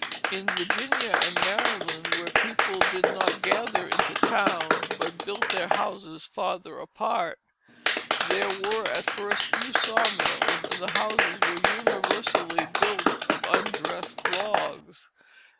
In Virginia and Maryland, where people did not gather into towns, but built their houses farther apart, there were at first few sawmills, and the houses were universally built of undressed logs.